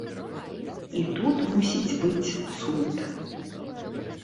І тут мусіць быць цуд.